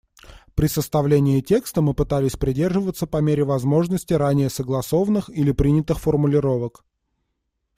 При составлении текста мы пытались придерживаться по мере возможности ранее согласованных или принятых формулировок.